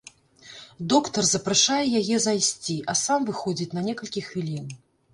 Доктар запрашае яе зайсці, а сам выходзіць на некалькі хвілін.